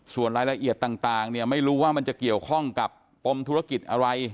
ส่วนรายละเอียดต่างเนี่ยไม่รู้ว่ามันจะเกี่ยวข้องกับปมธุรกิจอะไร